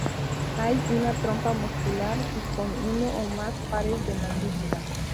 Hay una trompa muscular con uno o más pares de mandíbulas.